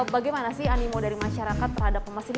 bagaimana sih animo dari masyarakat terhadap emas ini